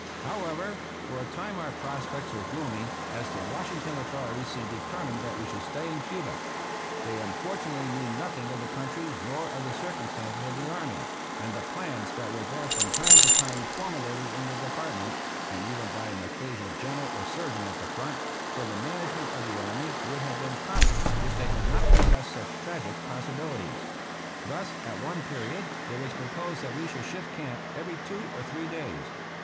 However, for a time our prospects were gloomy, as the Washington authorities seemed determined that we should stay in Cuba. They unfortunately knew nothing of the country nor of the circumstances of the army, and the plans that were from time to time formulated in the Department (and even by an occasional general or surgeon at the front) for the management of the army would have been comic if they had not possessed such tragic possibilities. Thus, at one period it was proposed that we should shift camp every two or three days.